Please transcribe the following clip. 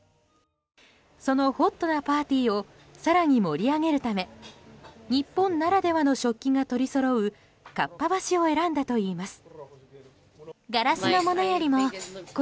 そのホットなパーティーを更に盛り上げるため日本ならではの食器がとりそろうかっぱ橋を選んだといいます。